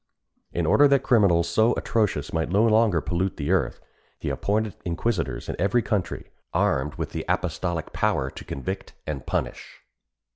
In order that criminals so atrocious might no longer pollute the earth, he appointed inquisitors in every country, armed with the apostolic power to convict and punish.